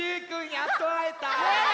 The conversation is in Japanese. やっとあえた！